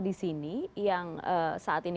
di sini yang saat ini